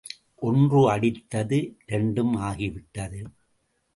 ஒன்று அடித்தது, இரண்டும் ஆகிவிட்டது.